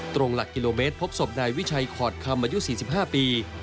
หลักกิโลเมตรพบศพนายวิชัยขอดคำอายุ๔๕ปี